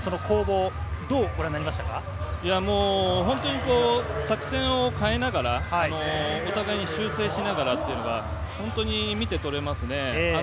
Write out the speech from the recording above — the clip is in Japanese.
本当に作戦を変えながら、お互いに修正しながらというのが本当に見てとれますね。